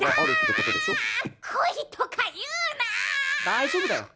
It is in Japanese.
大丈夫だよ。